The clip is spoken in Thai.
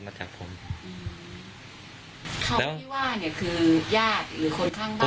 เขาไม่ว่าเนี่ยคือญาติหรือคนข้างบ้าน